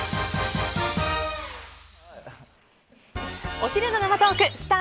お昼の生トークスター☆